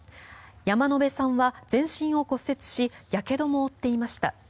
山野辺さんは全身を骨折しやけども負っていました。